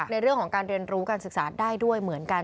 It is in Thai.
ในเรื่องของการเรียนรู้การศึกษาได้ด้วยเหมือนกัน